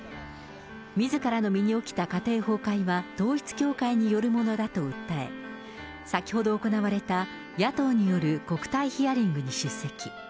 みずからの身に起きた家庭崩壊は、統一教会によるものだと訴え、先ほど行われた野党による国対ヒアリングに出席。